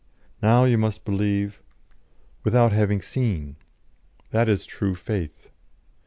Now you must believe without having seen; that is true faith.